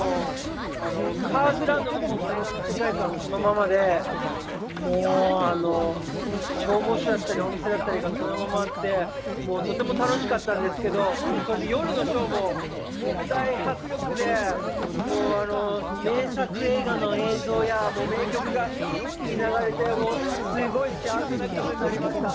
カーズ・ランドのほうも映画の世界観そのままで、消防署だったりお店だったりがそのままあって、とても楽しかったんですけど、それで夜のショーも大迫力で、名作映画の映像や名曲が一気に流れてすごい幸せな気分になりました！